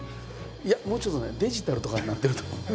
いやもうちょっとねデジタルとかになってると思う。